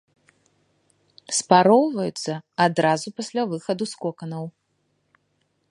Спароўваюцца адразу пасля выхаду з коканаў.